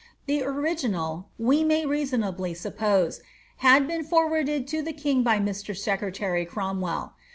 The original, we may reasonably suppose, had been forwarded to the king by Mr. Secretary Cromwell.